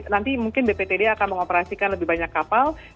nanti mungkin bptd akan mengoperasikan lebih banyak kapal